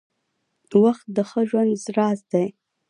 • وخت د ښه ژوند راز دی.